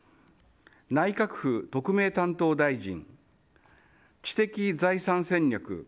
内閣府特命担当大臣知的財産戦略